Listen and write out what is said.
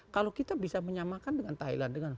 kalau kita bisa menyamakan dengan thailand